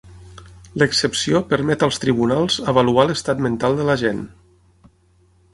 L'excepció permet als tribunals avaluar l'estat mental de l'agent.